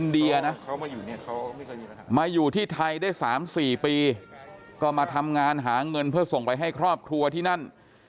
เดียนะมาอยู่ที่ไทยได้๓๔ปีก็มาทำงานหาเงินเพื่อส่งไปให้ครอบครัวที่นั่น